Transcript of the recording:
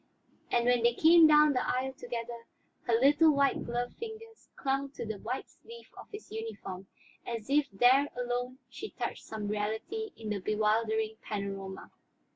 And when they came down the aisle together, her little white gloved fingers clung to the white sleeve of his uniform as if there alone she touched some reality in the bewildering panorama.